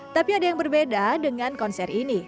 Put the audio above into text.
tapi ada yang berbeda dengan konser ini